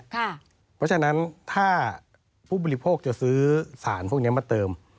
เพราะฉะนั้นถ้าผู้บริโภคจะซื้อสารพวกนี้มาเติม